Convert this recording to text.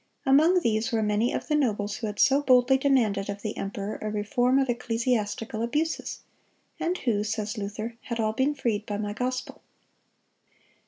Among these were many of the nobles who had so boldly demanded of the emperor a reform of ecclesiastical abuses, and who, says Luther, "had all been freed by my gospel."